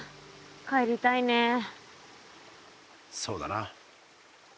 そうだな。